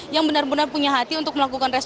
yang benar benar punya hati untuk melakukan respon